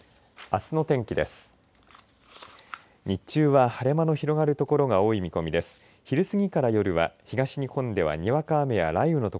あすの天気です。